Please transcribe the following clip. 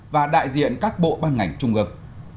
và đại diện các bộ ban ngành trung ương